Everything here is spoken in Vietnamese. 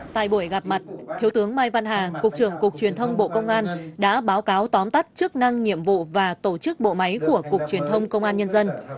tại buổi gặp mặt thiếu tướng mai văn hà cục trưởng cục truyền thông bộ công an đã báo cáo tóm tắt chức năng nhiệm vụ và tổ chức bộ máy của cục truyền thông công an nhân dân